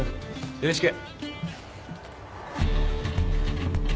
よろしく。